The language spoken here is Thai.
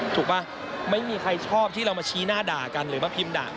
ป่ะไม่มีใครชอบที่เรามาชี้หน้าด่ากันหรือมาพิมพ์ด่า